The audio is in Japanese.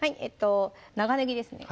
長ねぎですね